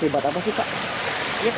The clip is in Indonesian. ini akibat apa sih kak